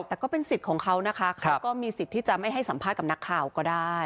แต่ก็เป็นสิทธิ์ของเขานะคะเขาก็มีสิทธิ์ที่จะไม่ให้สัมภาษณ์กับนักข่าวก็ได้